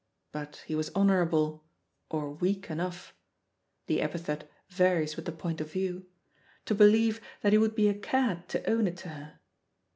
But he was honourable, or weak enough — ^the epithet varies with the point of view — ^to believe that he would be a cad to own it to her.